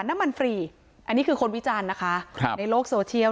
น้ำมันฟรีอันนี้คือคนวิจารณ์นะคะครับในโลกโซเชียล